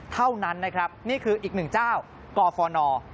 เท่านั้นนะครับนี่คืออีกหนึ่งเจ้ากฟน